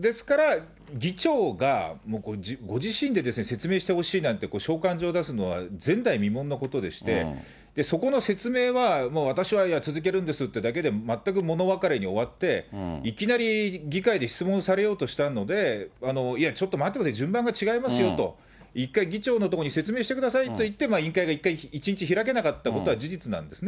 ですから、議長が、ご自身で説明してほしいなんて召喚状出すのは、前代未聞のことでして、そこの説明は、私は、いや続けるんですってだけで、全く物別れに終わって、いきなり議会で質問されようとしたので、いやちょっと待ってください、順番が違いますよと、一回議長のとこに説明してくださいって言って、委員会が一回、一日、開けなかったことが事実なんですね。